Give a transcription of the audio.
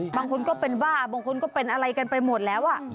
บางคนก็เป็นบ้าบางคนก็เป็นอะไรกันไปหมดแล้ว